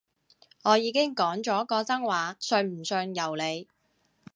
我已經講咗個真話，信唔信由你